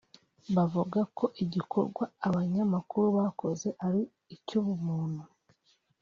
avuga ko igikorwa abanyamakuru bakoze ari icy’ubumuntu